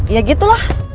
ya gitu lah